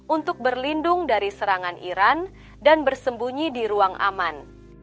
untuk berlindung dari serangan iran dan bersembunyi di ruang aman